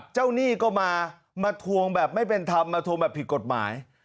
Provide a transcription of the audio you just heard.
หนี้ก็มามาทวงแบบไม่เป็นธรรมมาทวงแบบผิดกฎหมาย